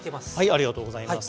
ありがとうございます。